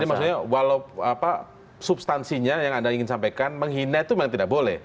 jadi maksudnya walaupun substansinya yang anda ingin sampaikan menghina itu memang tidak boleh